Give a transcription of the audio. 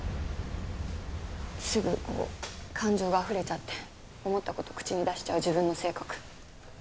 すぐ感情があふれちゃって思った事口に出しちゃう自分の性格。